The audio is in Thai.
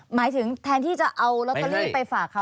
หมายถึงแทนที่จะเอาลอตเตอรี่ไปฝากเขา